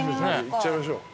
行っちゃいましょう。